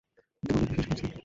তোমাদের বিশেষ কাজ কী?